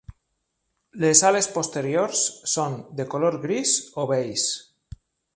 Les ales posteriors són de color gris o beix.